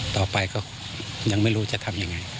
ต่อไปก็ยังไม่รู้จะทำยังไง